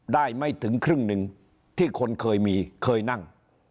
ไม่ถึงครึ่งหนึ่งที่คนเคยมีเคยนั่ง